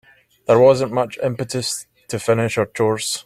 There wasn't much impetus to finish our chores.